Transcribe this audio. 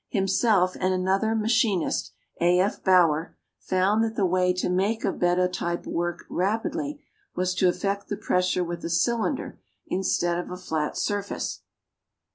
Himself and another machinist, A. F. Bauer, found that the way to make a bed of type work rapidly was to effect the pressure with a cylinder instead of a flat surface.